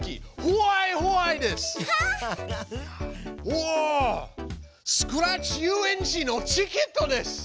おおスクラッチゆうえんちのチケットです！